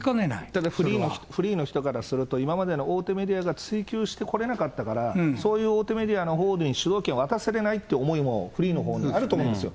ただ、フリーの人からすると、今までの大手メディアが追及してこれなかったから、そういう大手メディアのほうに主導権に渡せられないっていうのも、フリーのほうにあると思うんですよ。